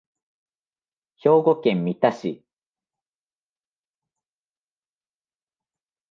兵庫県三田市